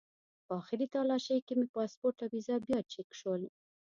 په آخري تالاشۍ کې مې پاسپورټ او ویزه بیا چک شول.